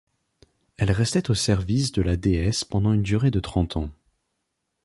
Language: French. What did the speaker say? Elles restaient au service de la déesse pendant une durée de trente ans.